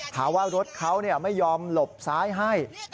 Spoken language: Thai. หาว่ารถเขาไม่ยอมหลบซ้ายให้